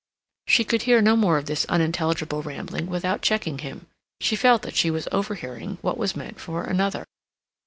She could hear no more of this unintelligible rambling without checking him. She felt that she was overhearing what was meant for another.